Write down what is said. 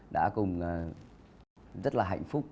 đã cùng rất là hạnh phúc